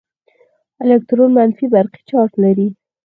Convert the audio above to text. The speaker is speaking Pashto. الکترون منفي برقي چارچ لري.